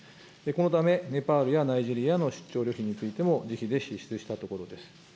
このため、ネパールやナイジェリアへの出張旅費についても自費で支出したところです。